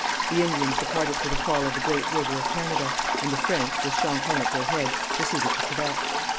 The Indians departed for the fall of the great river of Canada, and the French, with Champlain at their head, proceeded to Quebec.